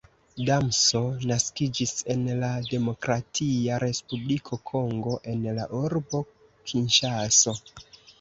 Damso naskiĝis en la Demokratia Respubliko Kongo en la urbo Kinŝaso.